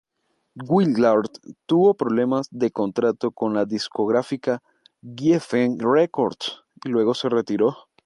Willard tuvo problemas de contrato con la discográfica Geffen Records y luego se retiró.